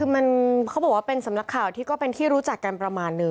คือมันเขาบอกว่าเป็นสำนักข่าวที่ก็เป็นที่รู้จักกันประมาณนึง